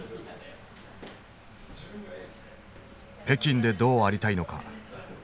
北京でどうありたいのか。